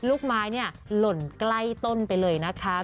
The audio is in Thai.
ลูกไม้เนี่ยหล่นใกล้ต้นไปเลยนะคะ